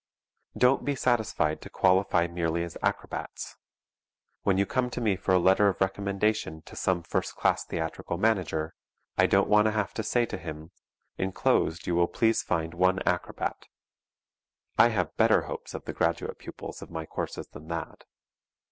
Don't be satisfied to qualify merely as acrobats. When you come to me for a letter of recommendation to some first class theatrical manager, I don't want to have to say to him: "Enclosed you will please find one acrobat." I have better hopes of the graduate pupils of my courses than that.